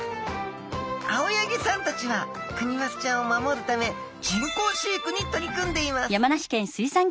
青柳さんたちはクニマスちゃんを守るため人工飼育に取り組んでいますですみません。